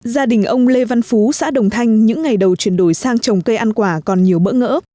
gia đình ông lê văn phú xã đồng thanh những ngày đầu chuyển đổi sang trồng cây ăn quả còn nhiều bỡ ngỡ